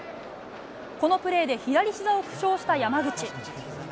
このプレーで左ひざを負傷した山口。